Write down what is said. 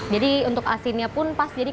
jadi untuk asinnya pun pas